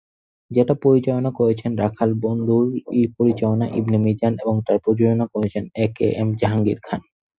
যেটা পরিচালনা করেছেন ""রাখাল বন্ধু""র -ই পরিচালক ইবনে মিজান এবং প্রযোজনা করেছেন এ কে এম জাহাঙ্গীর খান।